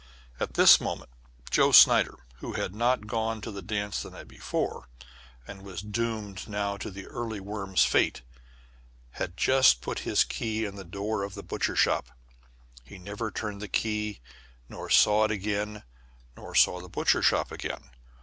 At this moment, Joe Snyder, who had not gone to the dance the night before, and was doomed now to the early worm's fate, had just put his key in the door of the butcher shop. He never turned the key, nor saw it again, nor saw the butcher shop again.